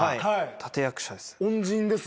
立役者です。